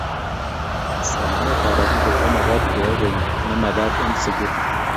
Somanet ab batishet ko magat keyai koek ne magat eng sukul